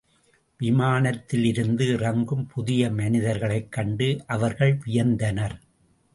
விமானத்தில் இருந்து இறங்கும் புதிய மனிதர்களைக் கண்டு அவர்கள் வியந்தனர்.